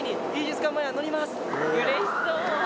うれしそう！